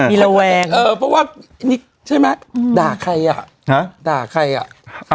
มีระแวงเออเพราะว่านี่ใช่ไหมด่าใครอ่ะฮะด่าใครอ่ะ